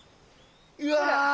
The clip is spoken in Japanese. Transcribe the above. うわ！